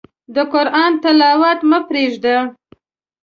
د قرآن تلاوت مه پرېږده.